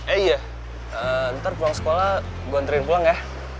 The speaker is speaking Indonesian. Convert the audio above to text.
eh iya ntar pulang sekolah gue anterin pulang ya